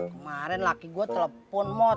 kemarin laki gue telepon